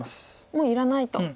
もういらないと。